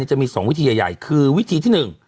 จะมี๒วิธีใหญ่คือวิธีที่๑